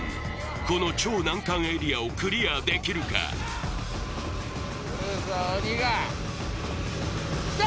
この超難関エリアをクリアできるかくるぞ鬼がきた！